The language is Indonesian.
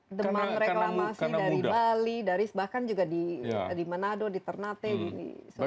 demam reklamasi dari bali bahkan juga di manado di ternate di sulawesi